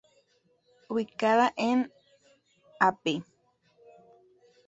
Ubicada en Av.